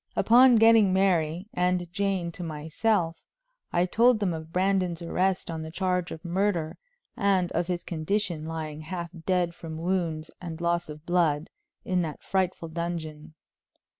Upon getting Mary and Jane to myself, I told them of Brandon's arrest on the charge of murder, and of his condition, lying half dead from wounds and loss of blood, in that frightful dungeon.